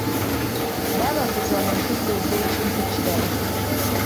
Babakuza mu mpisa ez'ekintu kiramu.